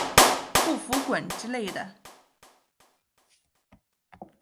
不服滚之类的